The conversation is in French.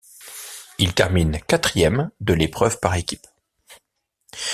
Il termine quatrième de l'épreuve par équipe.